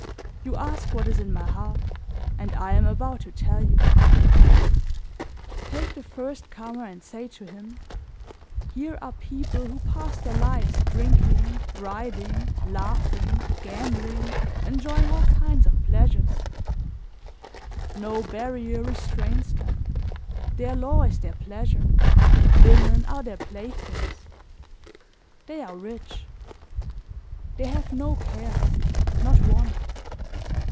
You ask what is in my heart and I am about to tell you. "Take the first comer and say to him: 'Here are people who pass their lives drinking, riding, laughing, gambling, enjoying all kinds of pleasures; no barrier restrains them, their law is their pleasure, women are their playthings; they are rich. They have no cares, not one.